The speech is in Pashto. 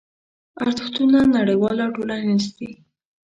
ارزښتونه نړیوال او ټولنیز دي.